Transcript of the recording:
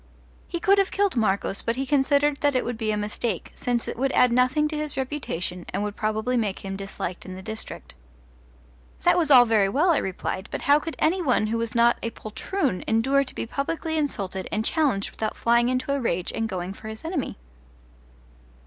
He could have killed Marcos, but he considered that it would be a mistake, since it would add nothing to his reputation and would probably make him disliked in the district. That was all very well, I replied, but how could any one who was not a poltroon endure to be publicly insulted and challenged without flying into a rage and going for his enemy?